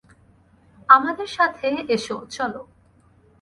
আমাদের সাথে এসো, চলো।